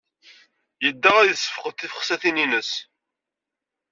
Yedda ad yessefqed tifxet-nnes.